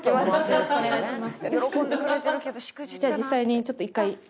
よろしくお願いします。